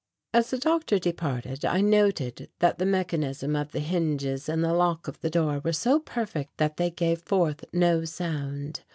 As the doctor departed, I noted that the mechanism of the hinges and the lock of the door were so perfect that they gave forth no sound.